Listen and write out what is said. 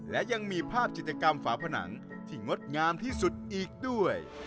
และยังมีภาพจิตกรรมฝาผนังที่งดงามที่สุดอีกด้วย